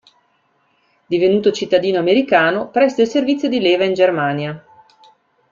Divenuto cittadino americano, presta il servizio di leva in Germania.